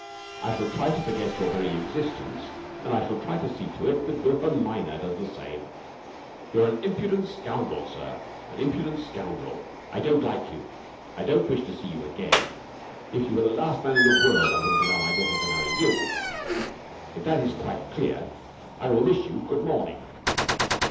I shall try to forget your very existence, and I shall see to it that Wilhelmina does the same! You're an impudent scoundrel, sir! An impudent scoundrel! I don't like you! I don't wish to see you again! If you were the last man in the world I wouldn't allow my daughter to marry you! If that is quite clear, I will wish you good morning!"